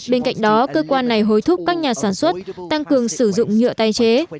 bên cạnh đó cơ quan này hối thúc các nhà sản xuất tăng cường sử dụng nhựa tái chế